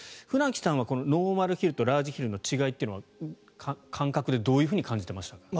船木さんはノーマルヒルとラージヒルの違いというのは感覚でどういうふうに感じてましたか？